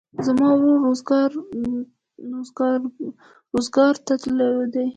زما ورور روزګان ته تللى دئ.